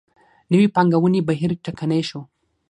نوې پانګونې بهیر ټکنی شو.